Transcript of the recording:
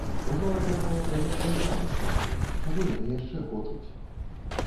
Ужо адна мая прэмія пайшла на штрафы, чаго яны яшчэ хочуць?!